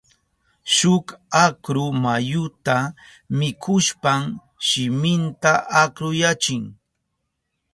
Shuk akru muyuta mikushpan shiminta akruyachin.